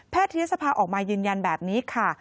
แพทย์ทียศภาคออกมายืนยันแบบนี้ค่ะ